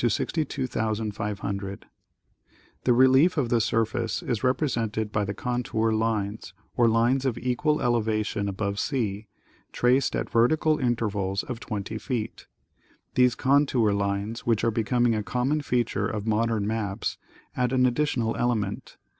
81 tically the same thing, 1:62,500, The relief of the surface is represented by the contour lines, or lines of equal elevation above sea, traced at vertical intervals of 20 feet. ']"'hese contour lines, which are becoming a common feature of modern maps, add an additional element.